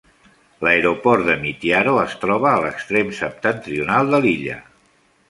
L'Aeroport de Mitiaro es troba a l'extrem septentrional de l'illa.